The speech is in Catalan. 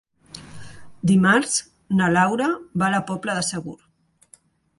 Dimarts na Laura va a la Pobla de Segur.